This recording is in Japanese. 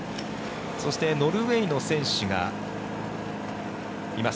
そして、ノルウェーの選手がいます。